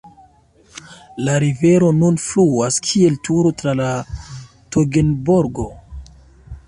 La rivero nun fluas kiel Turo tra la Togenburgo.